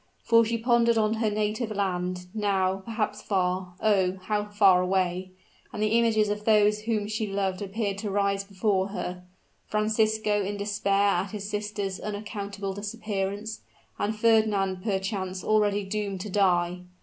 For she pondered on her native land, now, perhaps, far oh! how far away; and the images of those whom she loved appeared to rise before her Francisco in despair at his sister's unaccountable disappearance and Fernand perchance already doomed to die!